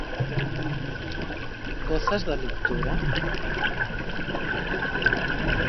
Gozas da lectura?